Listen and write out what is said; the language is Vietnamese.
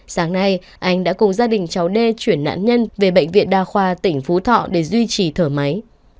sáng nay anh đã cùng gia đình cháu đê chuyển nạn nhân về bệnh viện đa khoa tỉnh phú thọ để duy trì thở máy